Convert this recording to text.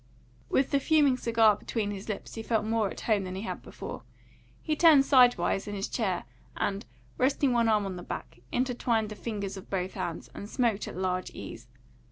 With the fuming cigar between his lips he felt more at home than he had before. He turned sidewise in his chair and, resting one arm on the back, intertwined the fingers of both hands, and smoked at large ease.